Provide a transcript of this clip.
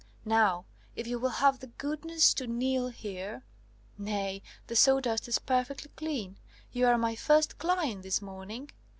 Now, if you will have the goodness to kneel here nay, the sawdust is perfectly clean; you are my first client this morning.